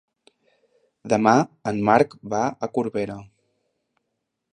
Demà en Marc va a Corbera.